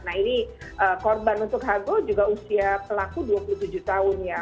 nah ini korban untuk hago juga usia pelaku dua puluh tujuh tahun ya